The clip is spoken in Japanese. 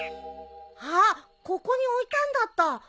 あっここに置いたんだった。